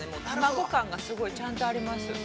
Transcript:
卵感がすごい、ちゃんとあります。